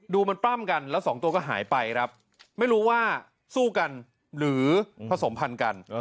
ดูมันปล้ำกันแล้วสองตัวก็หายไปครับไม่รู้ว่าสู้กันหรือผสมพันธุ์กัน